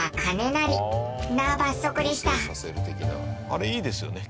あれいいですよね。